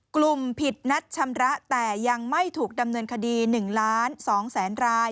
กลุ่มผิดนัดชำระแต่ยังไม่ถูกดำเนินคดี๑๒๐๐๐๐๐ราย